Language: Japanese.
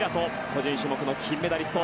個人種目の金メダリスト。